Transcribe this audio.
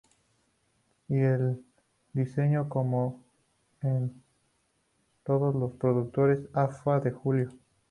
Y el diseño, como en todos los productos Agfa, de lujo.